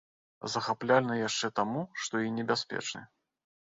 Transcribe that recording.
Захапляльны яшчэ таму, што і небяспечны.